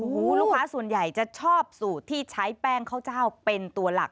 โอ้โหลูกค้าส่วนใหญ่จะชอบสูตรที่ใช้แป้งข้าวเจ้าเป็นตัวหลัก